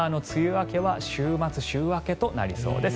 沖縄の梅雨明けは週末、週明けとなりそうです。